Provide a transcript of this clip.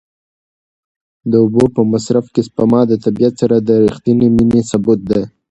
د اوبو په مصرف کې سپما د طبیعت سره د رښتینې مینې ثبوت دی.